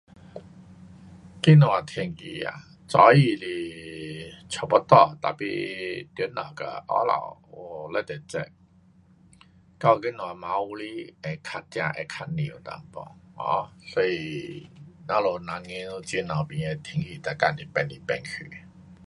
今天天气啊，早上是差不多，tapi 等下跟下午就非常热。到今天晚里会较才会较凉一点。um 所以我们南洋这头边的天气每天都变来变去。